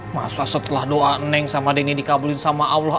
masa setelah doa neng sama denny dikabulin sama allah